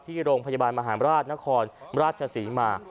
ที่โรงพยาบาลมหารราชนครราชศรีมา